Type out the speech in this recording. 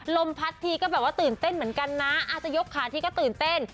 ลมพัดทีก็แบบว่าตื่นเต้นเหมือนกันนะอาจจะยกขาทีก็ตื่นเต้น